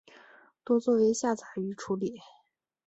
多做为下杂鱼处理。